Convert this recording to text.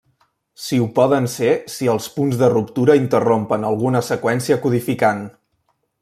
Si ho poden ser si els punts de ruptura interrompen alguna seqüència codificant.